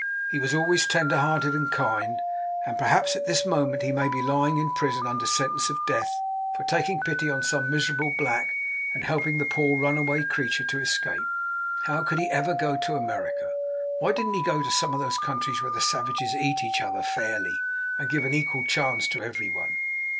He was always tender hearted and kind, and perhaps at this moment may be lying in prison under sentence of death, for taking pity on some miserable black, and helping the poor runaway creetur to escape. How could he ever go to America! Why didn't he go to some of those countries where the savages eat each other fairly, and give an equal chance to every one!